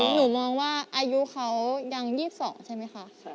หนูมองว่าอายุเขายัง๒๒ใช่ไหมคะ